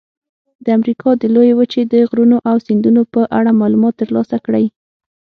د امریکا د لویې وچې د غرونو او سیندونو په اړه معلومات ترلاسه کړئ.